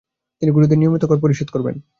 তিনি ঘুরিদের নিয়মিত কর পরিশোধ করবেন।